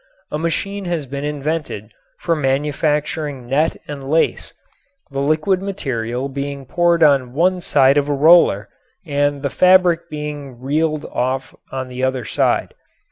A machine has been invented for manufacturing net and lace, the liquid material being poured on one side of a roller and the fabric being reeled off on the other side.